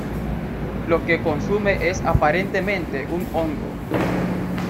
Lo que consume es aparentemente un hongo.